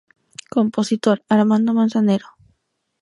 Compositor: Armando Manzanero.